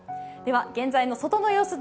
現在の外の様子